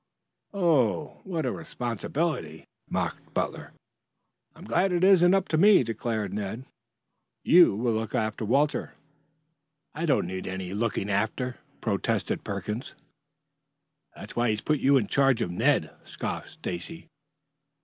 "Oh, what a responsibility!" mocked Butler. "I'm glad it isn't up to me," declared Ned. "You will look after Walter." "I don't need any looking after," protested Perkins. "That's why he's put you in charge of Ned," scoffed Stacy.